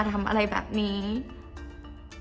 จนดิวไม่แน่ใจว่าความรักที่ดิวได้รักมันคืออะไร